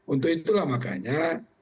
untuk itulah makanya